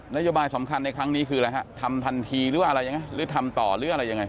โยบายสำคัญในครั้งนี้คืออะไรฮะทำทันทีหรือว่าอะไรยังไงหรือทำต่อหรืออะไรยังไง